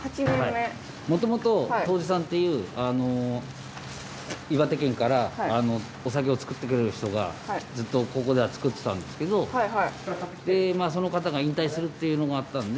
もともと杜氏さんっていう岩手県からお酒を造ってくれる人がずっとここでは造ってたんですけどその方が引退するっていうのがあったんで。